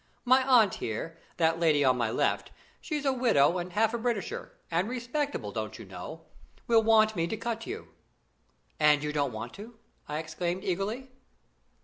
My aunt here, that lady on my left, she's a widow and half a Britisher, and respectable, don't you know, will want me to cut you." "And you don't want to?" I exclaimed eagerly.